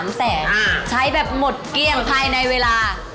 หนี้๓แสนใช้แบบหมดเกลี้ยงใครในเวลา